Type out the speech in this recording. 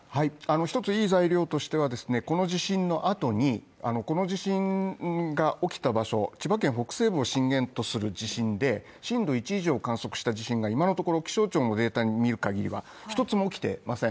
一つ、いい材料としてはこの地震のあとにこの地震が起きた場所、千葉県北西部を震源とする地震で震度１以上を観測した地震が今のところ気象庁のデータを見るかぎりは一つも起きていません。